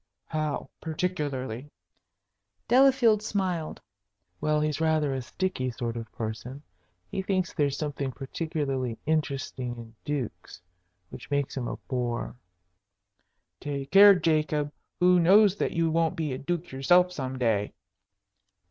"How particularly?" Delafield smiled. "Well, he's rather a sticky sort of person. He thinks there's something particularly interesting in dukes, which makes him a bore." "Take care, Jacob! Who knows that you won't be a duke yourself some day?"